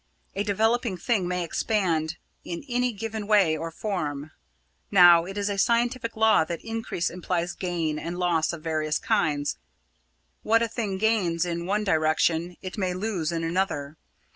A developing thing may expand in any given way or form. Now, it is a scientific law that increase implies gain and loss of various kinds; what a thing gains in one direction it may lose in another.